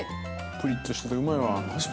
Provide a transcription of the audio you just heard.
◆ぷりっとしてて、うまいわ。